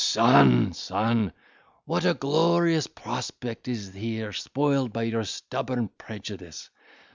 son, son, what a glorious prospect is here spoiled by your stubborn prejudice!